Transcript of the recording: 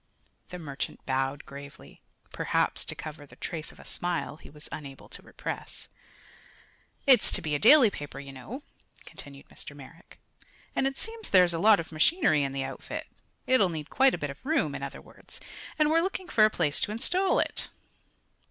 The merchant bowed gravely, perhaps to cover the trace of a smile he was unable to repress. "It's to be a daily paper, you know," continued Mr. Merrick, "and it seems there's a lot of machinery in the outfit. It'll need quite a bit of room, in other words, and we're looking for a place to install it."